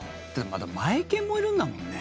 まだマエケンもいるんだもんね。